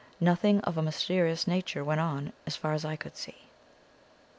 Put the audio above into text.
Nothing of a mysterious nature went on, as far as I could see.